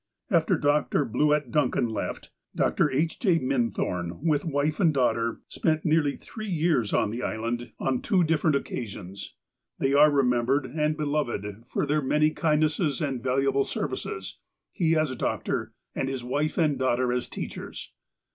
After Dr. Bluett Duncan left, Dr. H. J. Minthorn, with wife and daughter, spent nearly three years on the 328 THE APOSTLE OF ALASKA Island on two different occasions. They are all remem bered and beloved for their many kindnesses and valuable services, he as a doctor, and his wife and daughter as teachers.